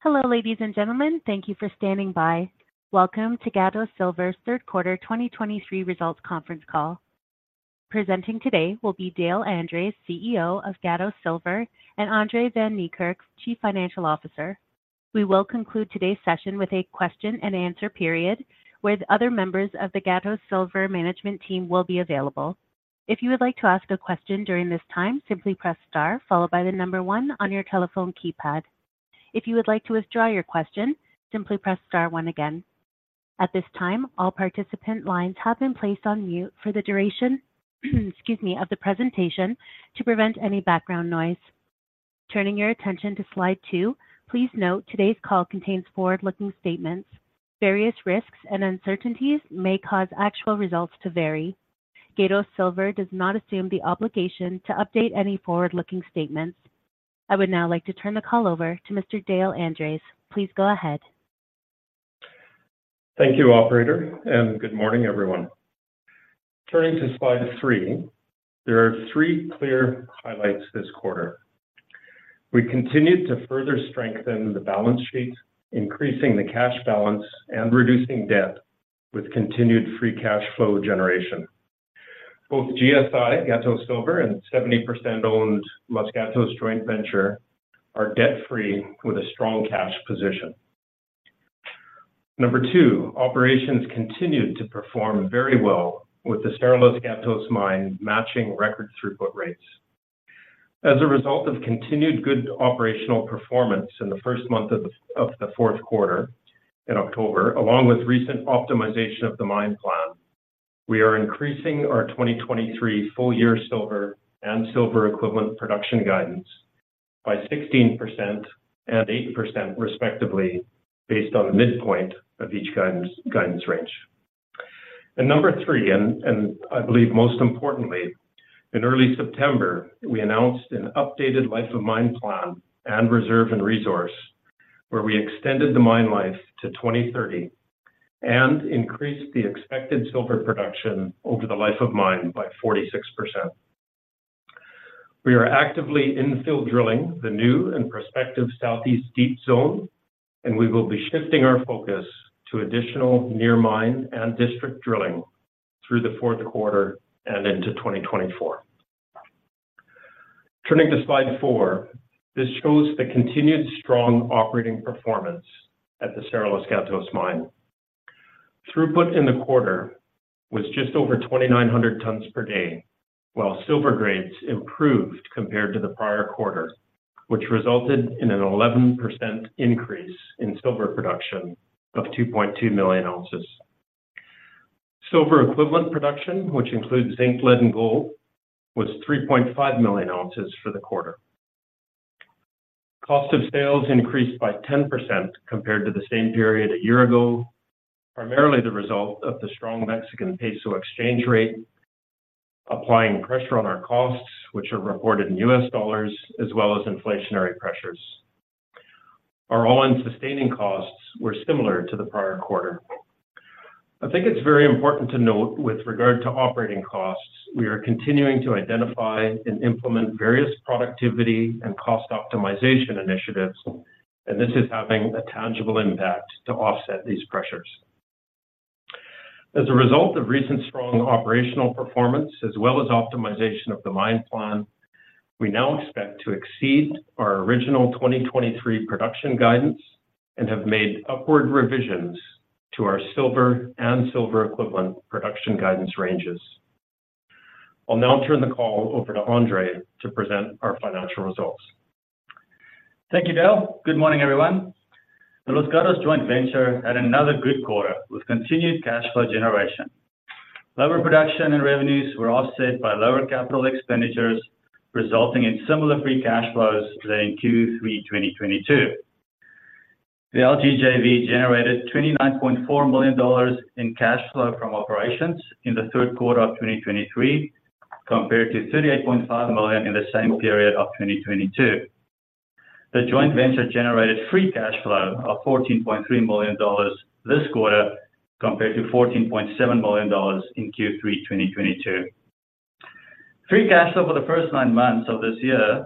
Hello, ladies and gentlemen. Thank you for standing by. Welcome to Gatos Silver's Q3 2023 results conference call. Presenting today will be Dale Andres, CEO of Gatos Silver, and André van Niekerk, Chief Financial Officer. We will conclude today's session with a question and answer period, where the other members of the Gatos Silver management team will be available. If you would like to ask a question during this time, simply press star followed by the number one on your telephone keypad. If you would like to withdraw your question, simply press star one again. At this time, all participant lines have been placed on mute for the duration, excuse me, of the presentation to prevent any background noise. Turning your attention to slide two, please note today's call contains forward-looking statements. Various risks and uncertainties may cause actual results to vary. Gatos Silver does not assume the obligation to update any forward-looking statements. I would now like to turn the call over to Mr. Dale Andres. Please go ahead. Thank you, operator, and good morning, everyone. Turning to slide three, there are three clear highlights this quarter. We continued to further strengthen the balance sheet, increasing the cash balance and reducing debt with continued free cash flow generation. Both GSI, Gatos Silver, and 70% owned Los Gatos Joint Venture are debt-free with a strong cash position. Number two, operations continued to perform very well with the Cerro Los Gatos mine matching record throughput rates. As a result of continued good operational performance in the first month of the Q4 in October, along with recent optimization of the mine plan, we are increasing our 2023 full-year silver and silver equivalent production guidance by 16% and 8%, respectively, based on the midpoint of each guidance range. And number three, and I believe most importantly, in early September, we announced an updated life of mine plan and reserve and resource, where we extended the mine life to 2030 and increased the expected silver production over the life of mine by 46%. We are actively infill drilling the new and prospective Southeast Deep Zone, and we will be shifting our focus to additional near mine and district drilling through the Q4 and into 2024. Turning to slide four, this shows the continued strong operating performance at the Cerro Los Gatos mine. Throughput in the quarter was just over 2,900 tons per day, while silver grades improved compared to the prior quarter, which resulted in an 11% increase in silver production of 2.2 million ounces. Silver equivalent production, which includes zinc, lead, and gold, was 3.5 million ounces for the quarter. Cost of sales increased by 10% compared to the same period a year ago, primarily the result of the strong Mexican peso exchange rate, applying pressure on our costs, which are reported in U.S. dollars, as well as inflationary pressures. Our all-in sustaining costs were similar to the prior quarter. I think it's very important to note with regard to operating costs, we are continuing to identify and implement various productivity and cost optimization initiatives, and this is having a tangible impact to offset these pressures. As a result of recent strong operational performance, as well as optimization of the mine plan, we now expect to exceed our original 2023 production guidance and have made upward revisions to our silver and silver equivalent production guidance ranges. I'll now turn the call over to André to present our financial results. Thank you, Dale. Good morning, everyone. The Los Gatos Joint Venture had another good quarter with continued cash flow generation. Lower production and revenues were offset by lower capital expenditures, resulting in similar free cash flows to in Q3 2022. The LGJV generated $29.4 million in cash flow from operations in the Q3 of 2023, compared to $38.5 million in the same period of 2022. The joint venture generated free cash flow of $14.3 million this quarter, compared to $14.7 million in Q3 2022. Free cash flow for the first nine months of this year,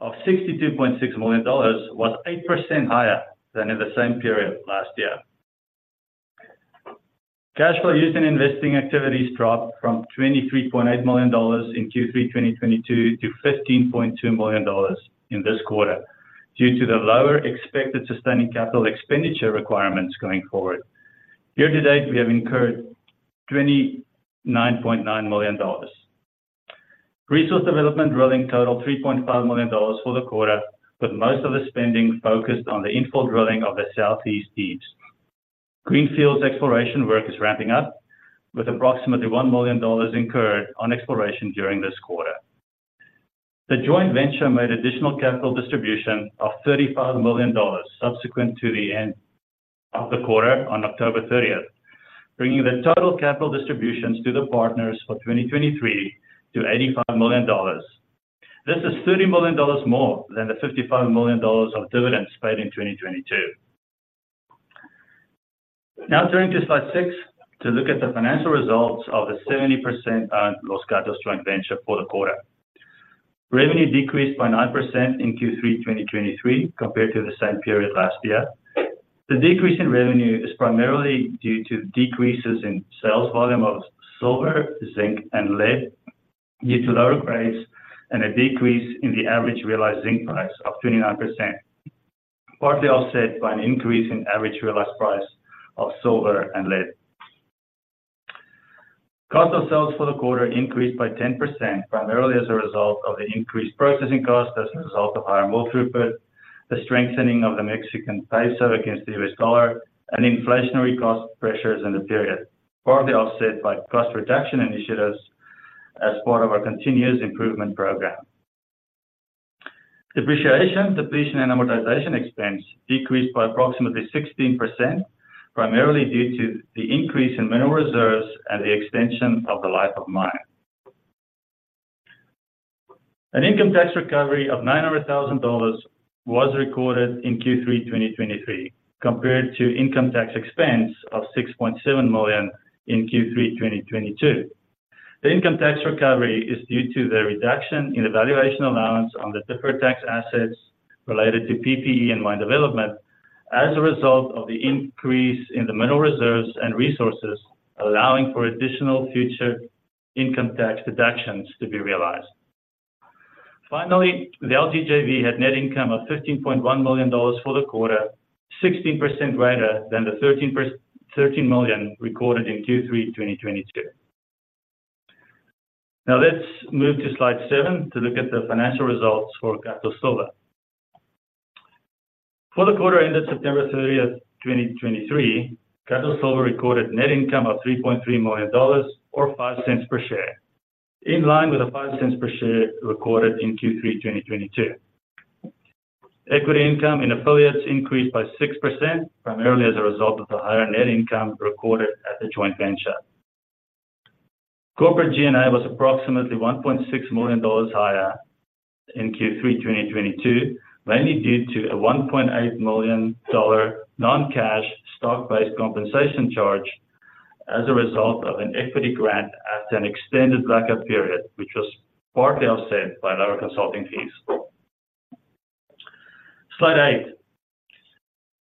of $62.6 million, was 8% higher than in the same period last year. Cash flow used in investing activities dropped from $23.8 million in Q3 2022 to $15.2 million in this quarter, due to the lower expected sustaining capital expenditure requirements going forward. Year to date, we have incurred $29.9 million. Resource development drilling totaled $3.5 million for the quarter, with most of the spending focused on the infill drilling of the Southeast Deeps. Greenfield's exploration work is ramping up, with approximately $1 million incurred on exploration during this quarter. The joint venture made additional capital distribution of $35 million subsequent to the end of the quarter on October thirtieth, bringing the total capital distributions to the partners for 2023 to $85 million. This is $30 million more than the $55 million of dividends paid in 2022.... Now turning to Slide six to look at the financial results of the 70%-owned Los Gatos Joint Venture for the quarter. Revenue decreased by 9% in Q3 2023, compared to the same period last year. The decrease in revenue is primarily due to decreases in sales volume of silver, zinc, and lead, due to lower grades and a decrease in the average realized zinc price of 29%, partly offset by an increase in average realized price of silver and lead. Cost of sales for the quarter increased by 10%, primarily as a result of the increased processing cost as a result of higher ore throughput, the strengthening of the Mexican peso against the U.S. dollar, and inflationary cost pressures in the period, partly offset by cost reduction initiatives as part of our continuous improvement program. Depreciation, depletion, and amortization expense decreased by approximately 16%, primarily due to the increase in mineral reserves and the extension of the life of mine. An income tax recovery of $900,000 was recorded in Q3 2023, compared to income tax expense of $6.7 million in Q3 2022. The income tax recovery is due to the reduction in the valuation allowance on the deferred tax assets related to PPE and mine development as a result of the increase in the mineral reserves and resources, allowing for additional future income tax deductions to be realized. Finally, the LGJV had net income of $15.1 million for the quarter, 16% greater than the $13 million recorded in Q3 2022. Now, let's move to slide seven to look at the financial results for Gatos Silver. For the quarter ended September 30, 2023, Gatos Silver recorded net income of $3.3 million or $0.05 per share, in line with the $0.05 per share recorded in Q3 2022. Equity income in affiliates increased by 6%, primarily as a result of the higher net income recorded at the joint venture. Corporate G&A was approximately $1.6 million higher in Q3 2022, mainly due to a $1.8 million non-cash stock-based compensation charge as a result of an equity grant at an extended lock-up period, which was partly offset by lower consulting fees. Slide eight.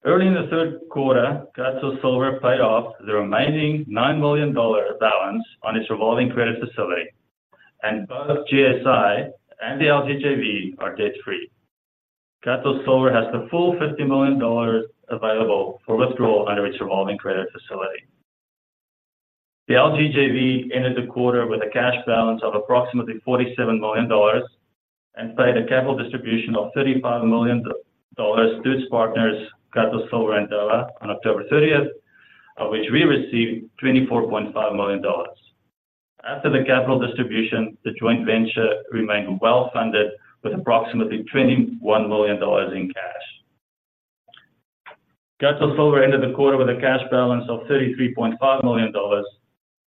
Early in the Q3, Gatos Silver paid off the remaining $9 million balance on its revolving credit facility, and both GSI and the LGJV are debt-free. Gatos Silver has the full $50 million available for withdrawal under its revolving credit facility. The LGJV ended the quarter with a cash balance of approximately $47 million and paid a capital distribution of $35 million to its partners, Gatos Silver and Dowa, on October thirtieth, of which we received $24.5 million. After the capital distribution, the joint venture remained well-funded, with approximately $21 million in cash. Gatos Silver ended the quarter with a cash balance of $33.5 million,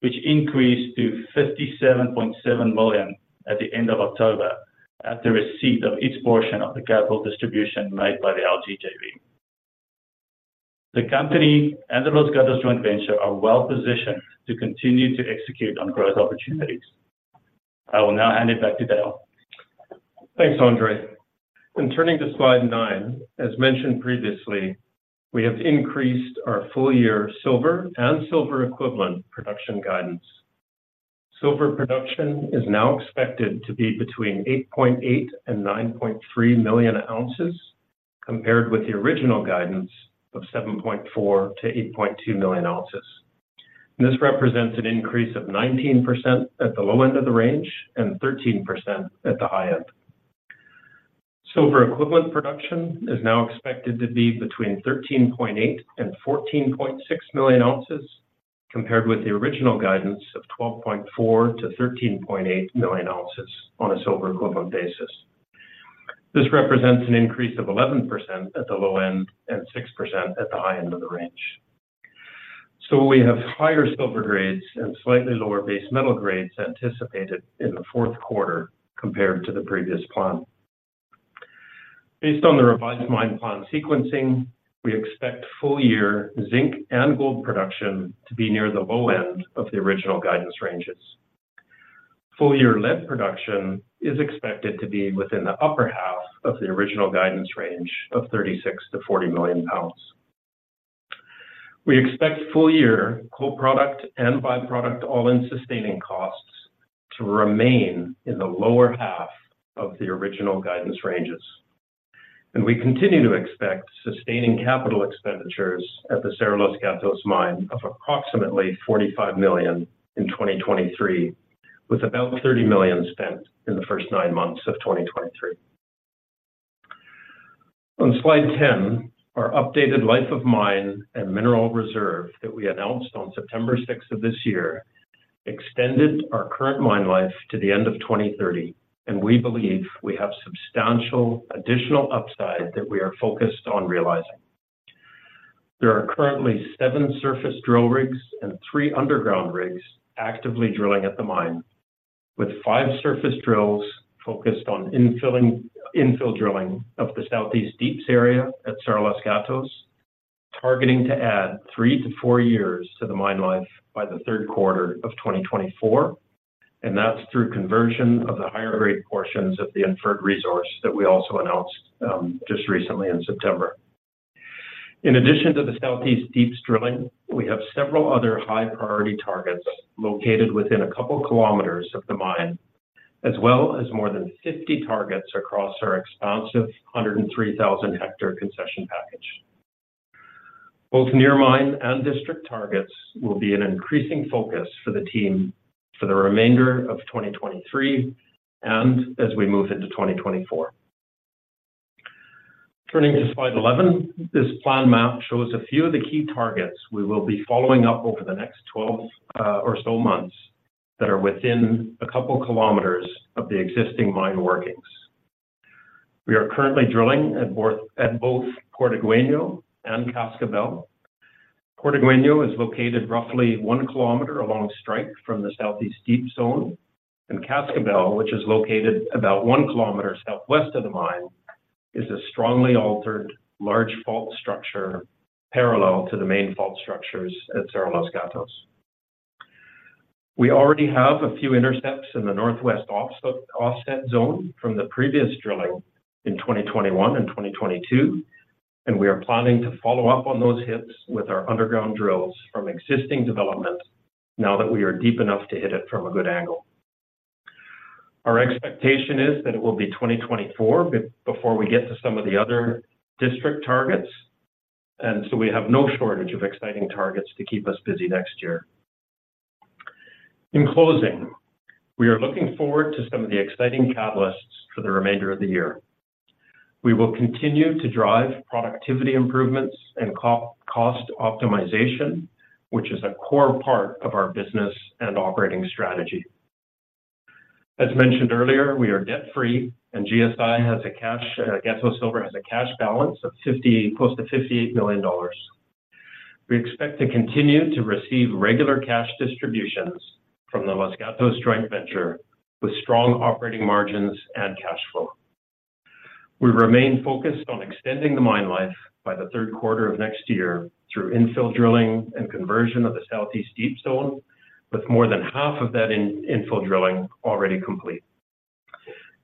which increased to $57.7 million at the end of October, at the receipt of its portion of the capital distribution made by the LGJV. The company and the Los Gatos joint venture are well positioned to continue to execute on growth opportunities. I will now hand it back to Dale. Thanks, André. Turning to slide nine, as mentioned previously, we have increased our full-year silver and silver equivalent production guidance. Silver production is now expected to be between 8.8 and 9.3 million ounces, compared with the original guidance of 7.4 to 8.2 million ounces. This represents an increase of 19% at the low end of the range and 13% at the high end. Silver equivalent production is now expected to be between 13.8 and 14.6 million ounces, compared with the original guidance of 12.4 to 13.8 million ounces on a silver equivalent basis. This represents an increase of 11% at the low end and 6% at the high end of the range. So we have higher silver grades and slightly lower base metal grades anticipated in the Q4 compared to the previous plan. Based on the revised mine plan sequencing, we expect full-year zinc and gold production to be near the low end of the original guidance ranges. Full-year lead production is expected to be within the upper half of the original guidance range of 36-40 million pounds. We expect full-year co-product and byproduct all-in sustaining costs to remain in the lower half of the original guidance ranges, and we continue to expect sustaining capital expenditures at the Cerro Los Gatos mine of approximately $45 million in 2023, with about $30 million spent in the first nine months of 2023. On slide 10, our updated life of mine and mineral reserve that we announced on September 6 of this year, extended our current mine life to the end of 2030, and we believe we have substantial additional upside that we are focused on realizing. There are currently seven surface drill rigs and three underground rigs actively drilling at the mine, with five surface drills focused on infilling, infill drilling of the Southeast Deeps area at Cerro Los Gatos, targeting to add three-four years to the mine life by the Q3 of 2024, and that's through conversion of the higher rate portions of the inferred resource that we also announced just recently in September. In addition to the Southeast Deeps drilling, we have several other high-priority targets located within a couple of kilometers of the mine, as well as more than 50 targets across our expansive 103,000-hectare concession package. Both near mine and district targets will be an increasing focus for the team for the remainder of 2023, and as we move into 2024. Turning to slide 11, this plan map shows a few of the key targets we will be following up over the next 12 or so months, that are within a couple of kilometers of the existing mine workings. We are currently drilling at both Porteño and Cascabel. Corrigueno is located roughly one kilometer along strike from the Southeast Deep Zone, and Cascabel, which is located about one kilometer southwest of the mine, is a strongly altered large fault structure parallel to the main fault structures at Cerro Los Gatos. We already have a few intercepts in the northwest offset zone from the previous drilling in 2021 and 2022, and we are planning to follow up on those hits with our underground drills from existing development now that we are deep enough to hit it from a good angle. Our expectation is that it will be 2024 before we get to some of the other district targets, and so we have no shortage of exciting targets to keep us busy next year. In closing, we are looking forward to some of the exciting catalysts for the remainder of the year. We will continue to drive productivity improvements and co-cost optimization, which is a core part of our business and operating strategy. As mentioned earlier, we are debt-free, and GSI has a cash, Gatos Silver has a cash balance of $50 million, close to $58 million. We expect to continue to receive regular cash distributions from the Los Gatos Joint Venture, with strong operating margins and cash flow. We remain focused on extending the mine life by the Q3 of next year through infill drilling and conversion of the Southeast Deep Zone, with more than half of that in infill drilling already complete.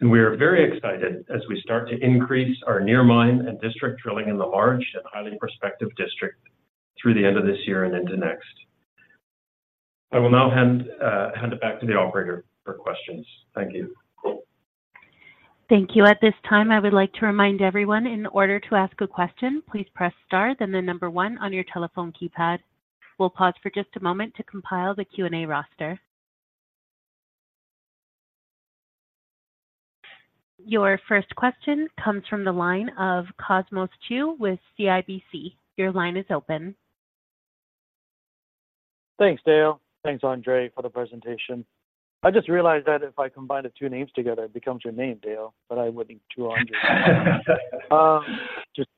And we are very excited as we start to increase our near mine and district drilling in the large and highly prospective district through the end of this year and into next. I will now hand it back to the operator for questions. Thank you. Thank you. At this time, I would like to remind everyone in order to ask a question, please press star, then the number one on your telephone keypad. We'll pause for just a moment to compile the Q&A roster. Your first question comes from the line of Cosmos Chiu with CIBC. Your line is open. Thanks, Dale. Thanks, André, for the presentation. I just realized that if I combine the two names together, it becomes your name, Dale, but I wouldn't do André.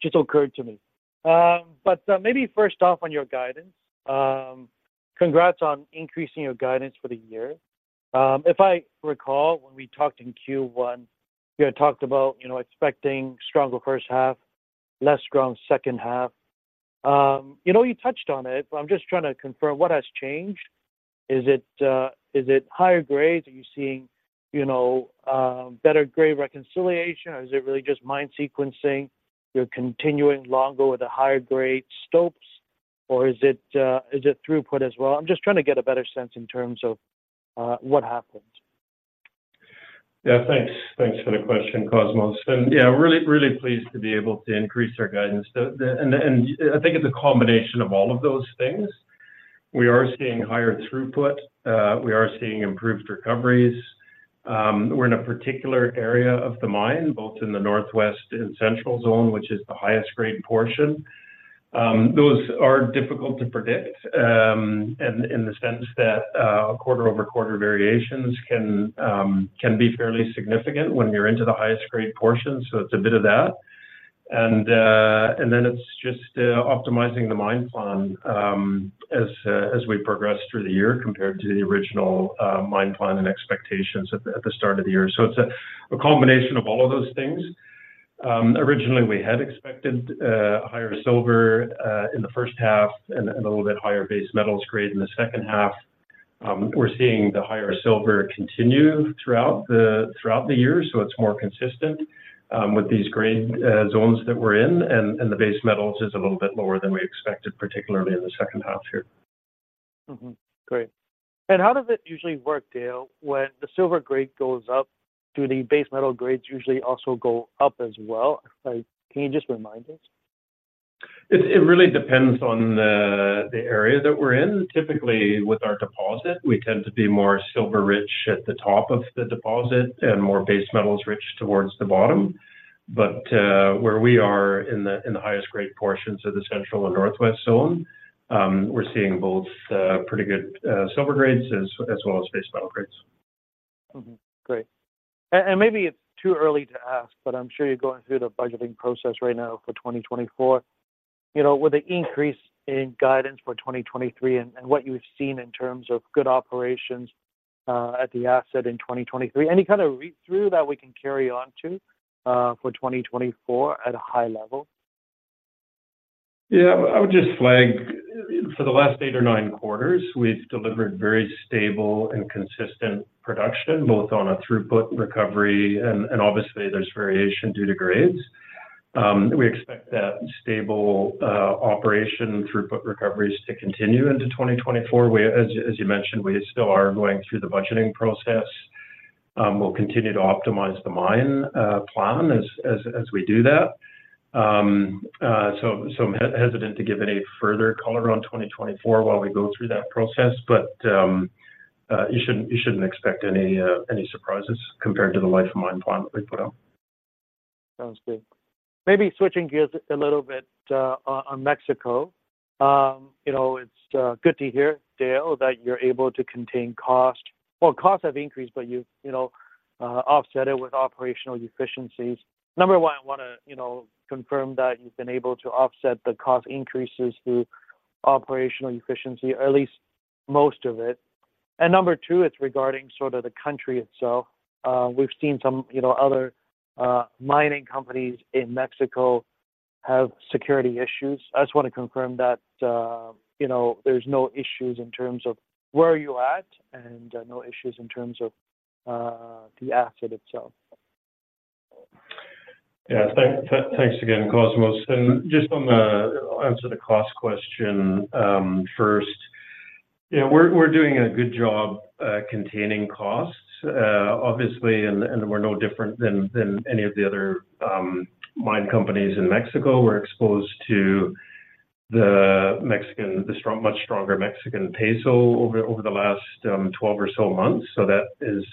Just occurred to me. But maybe first off, on your guidance, congrats on increasing your guidance for the year. If I recall, when we talked in Q1, we had talked about, you know, expecting stronger first half, less strong second half. You know, you touched on it, but I'm just trying to confirm what has changed. Is it higher grades? Are you seeing, you know, better grade reconciliation, or is it really just mine sequencing, you're continuing longer with the higher grade stopes, or is it throughput as well? I'm just trying to get a better sense in terms of what happened. Yeah, thanks. Thanks for the question, Cosmos. And yeah, really, really pleased to be able to increase our guidance. I think it's a combination of all of those things. We are seeing higher throughput, we are seeing improved recoveries. We're in a particular area of the mine, both in the Northwest and Central Zone, which is the highest grade portion. Those are difficult to predict, in the sense that quarter-over-quarter variations can be fairly significant when you're into the highest grade portion, so it's a bit of that. And then it's just optimizing the mine plan, as we progress through the year compared to the original mine plan and expectations at the start of the year. So it's a combination of all of those things. Originally, we had expected higher silver in the first half and a little bit higher base metals grade in the second half. We're seeing the higher silver continue throughout the year, so it's more consistent with these grade zones that we're in, and the base metals is a little bit lower than we expected, particularly in the second half here. Mm-hmm. Great. And how does it usually work, Dale? When the silver grade goes up, do the base metal grades usually also go up as well? Like, can you just remind us? It really depends on the area that we're in. Typically, with our deposit, we tend to be more silver rich at the top of the deposit and more base metals rich towards the bottom. But where we are in the highest grade portions of the central and northwest zone, we're seeing both pretty good silver grades as well as base metal grades. Mm-hmm. Great. And maybe it's too early to ask, but I'm sure you're going through the budgeting process right now for 2024... you know, with the increase in guidance for 2023 and what you've seen in terms of good operations at the asset in 2023, any kind of read-through that we can carry on to for 2024 at a high level? Yeah, I would just flag for the last eight or nine quarters, we've delivered very stable and consistent production, both on a throughput recovery and obviously there's variation due to grades. We expect that stable operation throughput recoveries to continue into 2024, whereas, as you mentioned, we still are going through the budgeting process. We'll continue to optimize the mine plan as we do that. So, I'm hesitant to give any further color on 2024 while we go through that process, but you shouldn't expect any surprises compared to the life of mine plan that we put out. Sounds good. Maybe switching gears a little bit, on Mexico. You know, it's good to hear, Dale, that you're able to contain cost. Well, costs have increased, but you've, you know, offset it with operational efficiencies. Number one, I want to, you know, confirm that you've been able to offset the cost increases through operational efficiency, or at least most of it. And number two, it's regarding sort of the country itself. We've seen some, you know, other mining companies in Mexico have security issues. I just want to confirm that, you know, there's no issues in terms of where you're at and no issues in terms of the asset itself. Yeah, thanks again, Cosmos. And just on the cost question, I'll answer first. Yeah, we're doing a good job containing costs. Obviously, we're no different than any of the other mine companies in Mexico. We're exposed to the strong, much stronger Mexican peso over the last 12 or so months. So that is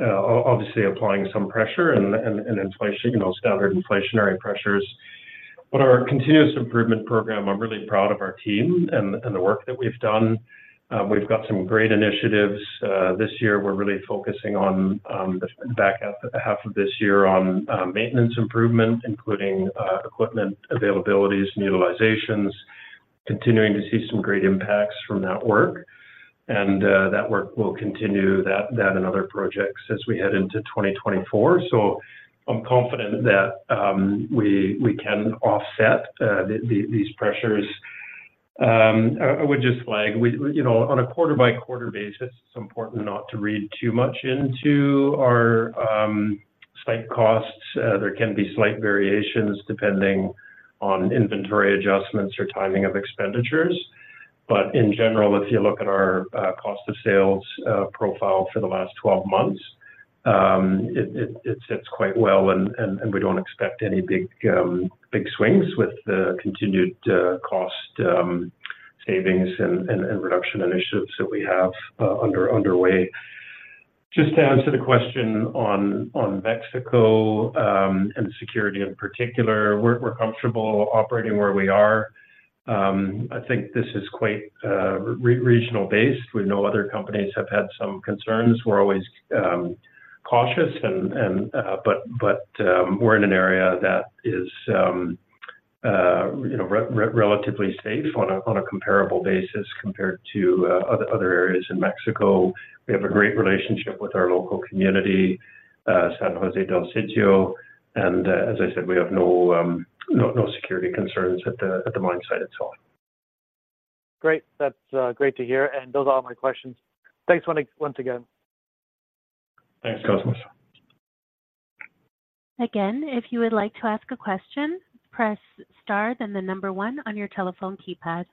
obviously applying some pressure and inflation, you know, standard inflationary pressures. But our continuous improvement program, I'm really proud of our team and the work that we've done. We've got some great initiatives. This year, we're really focusing on the back half of this year on maintenance improvement, including equipment availabilities and utilizations, continuing to see some great impacts from that work. That work will continue, that and other projects as we head into 2024. So I'm confident that we can offset these pressures. I would just flag, you know, on a quarter-by-quarter basis, it's important not to read too much into our site costs. There can be slight variations, depending on inventory adjustments or timing of expenditures. But in general, if you look at our cost of sales profile for the last 12 months, it sits quite well, and we don't expect any big swings with the continued cost savings and reduction initiatives that we have under way. Just to answer the question on Mexico and security in particular, we're comfortable operating where we are. I think this is quite regional based. We know other companies have had some concerns. We're always cautious and but we're in an area that is you know relatively safe on a comparable basis compared to other areas in Mexico. We have a great relationship with our local community, San José del Sitio, and as I said, we have no security concerns at the mine site itself. Great. That's great to hear, and those are all my questions. Thanks once again. Thanks, Cosmos. Again, if you would like to ask a question, press star, then the number one on your telephone keypad.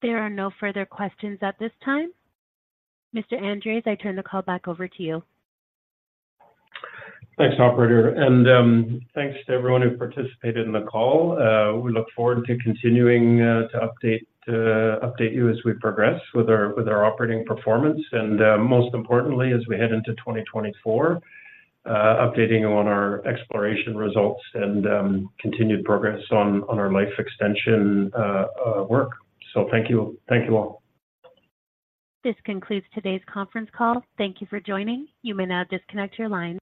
There are no further questions at this time. Mr. Andres, I turn the call back over to you. Thanks, operator, and thanks to everyone who participated in the call. We look forward to continuing to update you as we progress with our operating performance, and most importantly, as we head into 2024, updating you on our exploration results and continued progress on our life extension work. So thank you. Thank you, all. This concludes today's conference call. Thank you for joining. You may now disconnect your line.